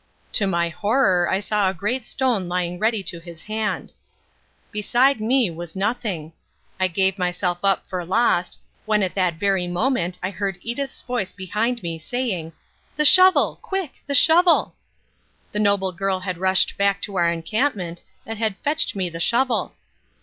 To my horror I saw a great stone lying ready to his hand. Beside me was nothing. I gave myself up for lost, when at that very moment I heard Edith's voice behind me saying, "The shovel, quick, the shovel!" The noble girl had rushed back to our encampment and had fetched me the shovel.